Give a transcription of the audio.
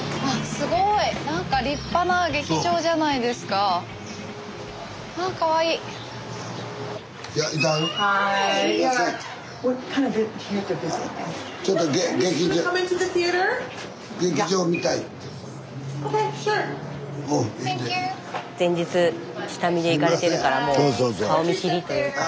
スタジオ前日下見で行かれてるからもう顔見知りというか。